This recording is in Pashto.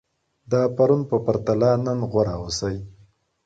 د پرون په پرتله نن غوره اوسئ.